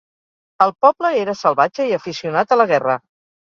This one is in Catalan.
El poble era salvatge i aficionat a la guerra.